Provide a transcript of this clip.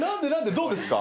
そうですか。